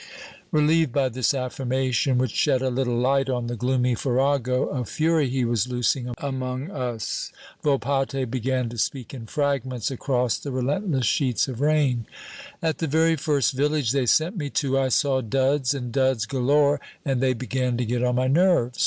Relieved by this affirmation, which shed a little light on the gloomy farrago of fury he was loosing among us, Volpatte began to speak in fragments across the relentless sheets of rain "At the very first village they sent me to, I saw duds, and duds galore, and they began to get on my nerves.